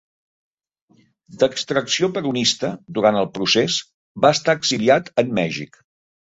D'extracció peronista, durant el Procés, va estar exiliat en Mèxic.